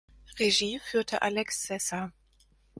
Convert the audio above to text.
Regie führte Alex Sessa.